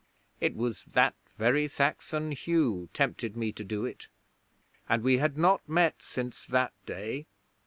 It was that very Saxon Hugh tempted me to do it, and we had not met since that day.